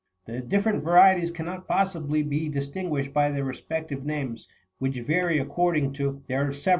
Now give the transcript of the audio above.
The different varieties cannot possibly be distin guished by their respective names, which vary according to 39 " Glandes."